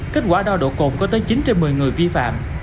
kết quả đo độ cồn có tới chín trên một mươi người vi phạm